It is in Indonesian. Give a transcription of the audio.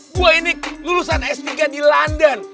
gue ini lulusan s tiga di london